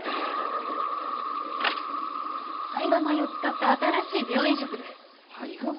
胚芽米を使った新しい病院食です。